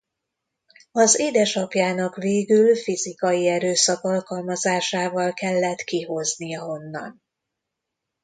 Az édesapjának végül fizikai erőszak alkalmazásával kellett kihoznia onnan.